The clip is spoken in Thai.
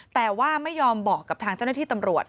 แต่ว่าไม่ยอมบอกกับทางเจ้าหน้าที่ตำรวจ